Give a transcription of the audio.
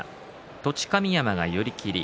栃神山が寄り切り。